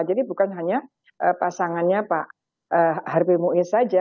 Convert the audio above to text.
jadi bukan hanya pasangannya pak harvey moise saja